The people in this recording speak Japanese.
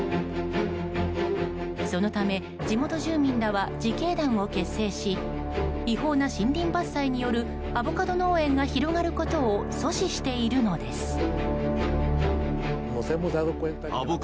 そのため地元住民らは自警団を結成し違法な森林伐採によるアボカド農園が広がることを阻止しているのです。